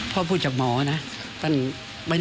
พ่อพูดจากหมอนะ